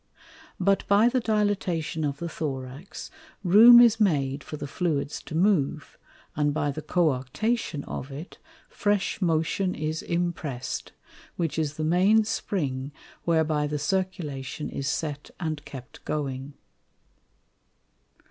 But by the Dilatation of the Thorax, room is made for the Fluids to move, and by the Coarctation of it, fresh motion is imprest, which is the main Spring whereby the Circulation is set and kept going.